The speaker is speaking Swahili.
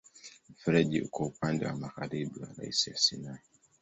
Mfereji uko upande wa magharibi wa rasi ya Sinai.